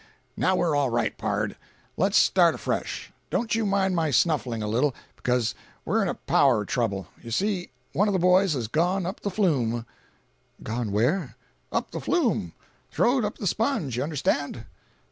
"Now we're all right, pard. Let's start fresh. Don't you mind my snuffling a little—becuz we're in a power of trouble. You see, one of the boys has gone up the flume—" "Gone where?" "Up the flume—throwed up the sponge, you understand."